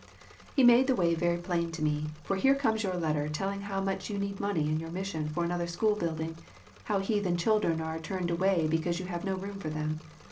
He made the way very plain to me, for here comes your letter telling how much you need money in your mission for another school build ing; how heathen children were turned away because you had no room for them.